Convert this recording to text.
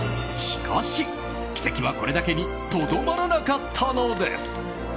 しかし、奇跡はこれだけにとどまらなかったのです。